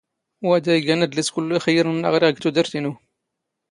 ⵡⴰⴷ ⴰⴷ ⵉⴳⴰⵏ ⴰⴷⵍⵉⵙ ⴽⵓⵍⵍⵓ ⵉⵅⵢⵢⵔⵏ ⵏⵏⴰ ⵖⵔⵉⵖ ⴳ ⵜⵓⴷⵔⵜ ⵉⵏⵓ.